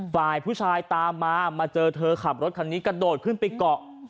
ฝ่ายผู้ชายตามมามาเจอเธอขับรถคันนี้กระโดดขึ้นไปเกาะ